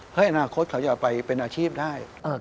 เฮ้ยอนาคตเขาอย่าไปเป็นอาชีพได้